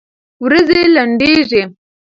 ورځي لنډيږي